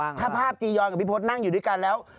เพราะว่าถ้าภาพจียอยกับพี่พฤตนั่งอยู่ด้วยกันแล้ว